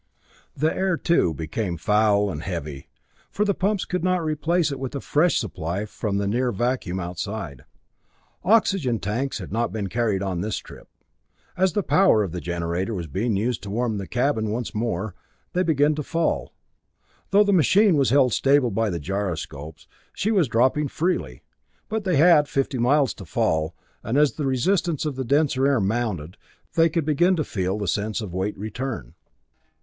The air, too, became foul and heavy, for the pumps could not replace it with a fresh supply from the near vacuum outside. Oxygen tanks had not been carried on this trip. As the power of the generator was being used to warm the cabin once more, they began to fall. Though the machine was held stable by the gyroscopes, she was dropping freely; but they had fifty miles to fall, and as the resistance of the denser air mounted, they could begin to feel the sense of weight return.